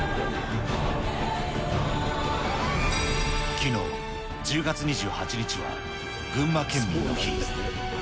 きのう１０月２８日は、群馬県民の日。